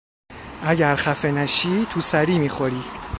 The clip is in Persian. اگر خفه نشی تو سری میخوری!